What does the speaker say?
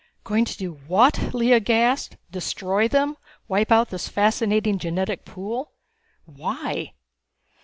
"Going to do what!" Lea gasped. "Destroy them? Wipe out this fascinating genetic pool? Why?